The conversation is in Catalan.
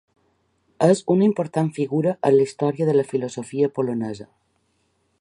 És una important figura en la història de la filosofia polonesa.